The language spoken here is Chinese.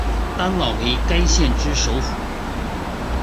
丹老为该县之首府。